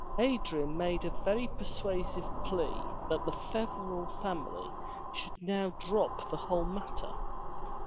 Adrian made a very persuasive plea that the Feverel family should now drop the whole matter.